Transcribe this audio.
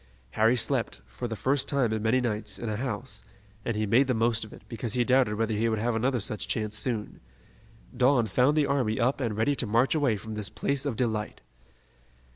Harry slept, for the first time in many nights, in a house, and he made the most of it, because he doubted whether he would have another such chance soon. Dawn found the army up and ready to march away from this place of delight.